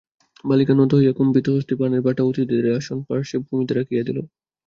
বালিকা নত হইয়া কম্পিতহস্তে পানের বাটা অতিথিদের আসন-পার্শ্বে ভূমিতে রাখিয়া দিল।